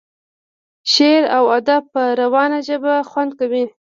شعر او ادب په روانه ژبه خوند کوي.